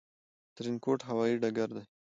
ترينکوټ هوايي ډګر دى